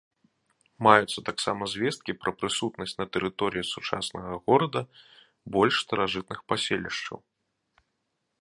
Маюцца таксама звесткі пра прысутнасць на тэрыторыі сучаснага горада больш старажытных паселішчаў.